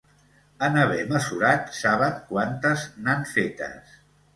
En haver mesurat, saben quantes n'han fetes.